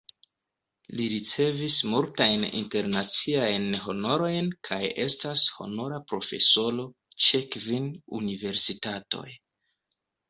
Li ricevis multajn internaciajn honorojn kaj estas honora profesoro ĉe kvin universitatoj.